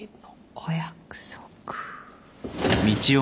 お約束。